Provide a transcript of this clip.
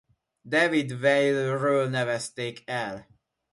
David Weill-ről nevezték el.